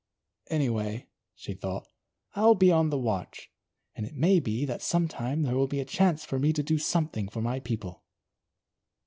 Anyway," she thought, "I'll be on the watch, and it may be that some time there will be a chance for me to do something for my people."